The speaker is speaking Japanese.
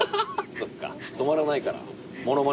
そっか止まらないから。